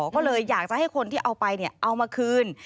ก็เลยอยากจะให้คนที่เอาไปเอามาคืน